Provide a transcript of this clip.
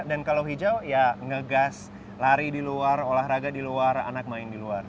dan kalau hijau ya ngegas lari di luar olahraga di luar anak main di luar